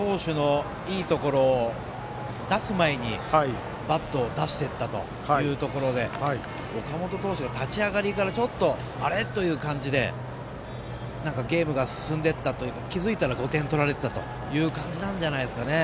岡本投手のいいところを出す前にバットを出していったというところで岡本投手が立ち上がりからあれ？という感じでゲームが進んでいって気付いたら５点取られてたという感じなんじゃないですかね。